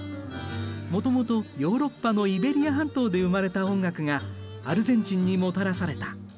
もともとヨーロッパのイベリア半島で生まれた音楽がアルゼンチンにもたらされた。